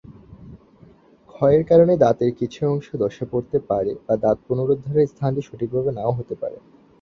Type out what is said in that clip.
ক্ষয়ের কারণে দাঁতের কিছু অংশ ধসে পড়তে পারে বা দাঁত পুনরুদ্ধারের স্থানটি সঠিকভাবে নাও হতে পারে।